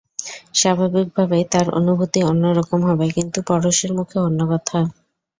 স্বাভাবিকভাবেই তাঁর অনুভূতি অন্য রকম হবে, কিন্তু পরশের মুখে অন্য কথা।